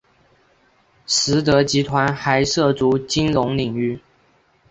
实德集团还涉足金融领域。